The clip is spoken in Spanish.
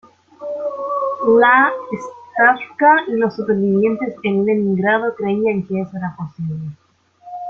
La Stavka y los supervivientes en Leningrado creían que eso era posible.